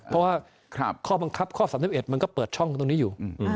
เพราะว่าข้อบังคับข้อ๓๑มันก็เปิดช่องตรงนี้อยู่